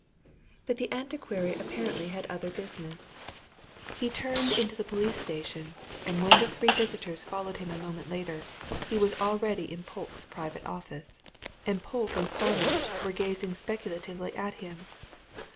But the antiquary apparently had other business. He turned into the police station, and when the three visitors followed him a moment later, he was already in Polke's private office, and Polke and Starmidge were gazing speculatively at him.